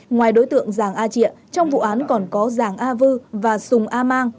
ngoài đối tượng giàng a trịa trong vụ án còn có giàng a vư và sùng a mang